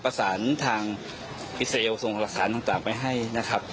ประสานทางอิสราเอลส่งหลักฐานต่างไปให้นะครับ